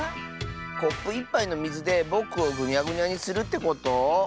コップ１ぱいのみずでぼくをぐにゃぐにゃにするってこと？